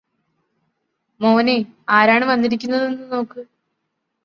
മോനെ ആരാണ് വന്നിരിക്കുന്നതെന്ന് നോക്ക്